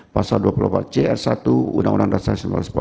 pasal dua puluh empat c r satu uu dasar sebelas empat lima